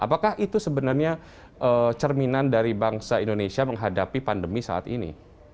apakah itu sebenarnya cerminan dari bangsa indonesia menghadapi pandemi saat ini